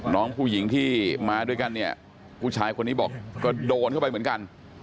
น้องผู้หญิงที่มาด้วยกันเนี่ยผู้ชายคนนี้บอกก็โดนเข้าไปเหมือนกัน